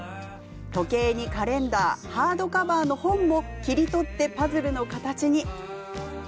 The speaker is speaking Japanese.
時計にカレンダーハードカバーの本も切り取ってパズルの形に。